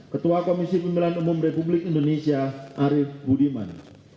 ketua komisi pemilihan umum republik indonesia arief budiman